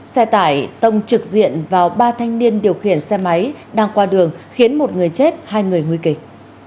xe tải tông trực diện vào ba thanh niên điều khiển xe máy đang qua đường khiến một người chết hai người nguy kịch